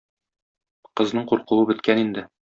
Кызның куркуы беткән инде.